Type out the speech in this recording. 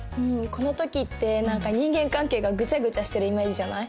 この時って何か人間関係がぐちゃぐちゃしてるイメージじゃない？